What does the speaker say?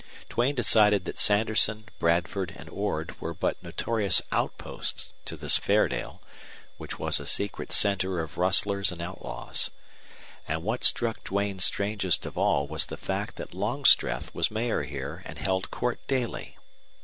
Duane decided that Sanderson, Bradford, and Ord were but notorious outposts to this Fairdale, which was a secret center of rustlers and outlaws. And what struck Duane strangest of all was the fact that Longstreth was mayor here and held court daily.